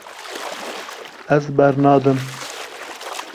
Ez bernadim.